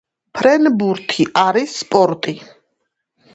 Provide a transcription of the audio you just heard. ფრენბურთი არის სპორტი